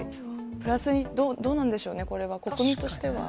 プラスに、どうなんでしょうね、これは、国民としては。